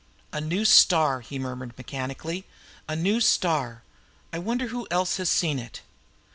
"A new star!" he murmured mechanically. "A new star! I wonder who else has seen it?"